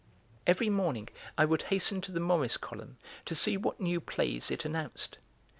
Every morning I would hasten to the Moriss column to see what new plays it announced.